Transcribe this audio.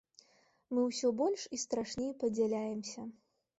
Мы ўсё больш і страшней падзяляемся.